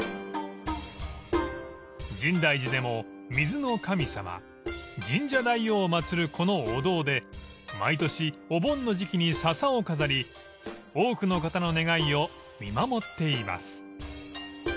［深大寺でも水の神様深沙大王を祭るこのお堂で毎年お盆の時期にササを飾り多くの方の願いを見守っています］